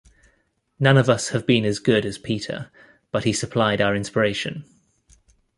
None of us have been as good as Peter, but he supplied our inspiration.